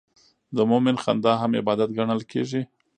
د مؤمن خندا هم عبادت ګڼل کېږي.